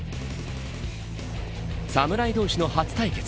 侍同士の初対決。